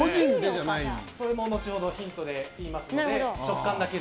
それも後ほどヒントで言いますので。